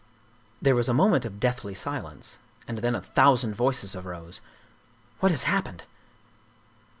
There was a mo ment of deathly silence and then a thousand voices arose: "What has happened?"